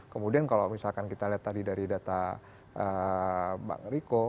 kemudian kalau misalkan kita lihat tadi dari data mbak riko